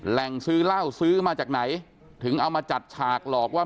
แหล่งซื้อเหล้าซื้อมาจากไหนถึงเอามาจัดฉากหลอกว่า